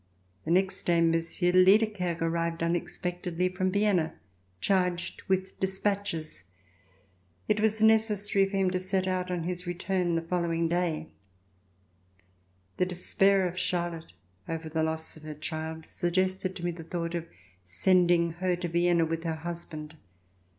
The next day. Monsieur de Liede C 396 ]" THE FIRST RESTORATION kerke arrived unexpectedly from Vienna charged with dispatches. It was necessary for him to set out on his return the following day. The despair of Charlotte over the loss of her child suggested to me the thought of sending her to Vienna with her husband.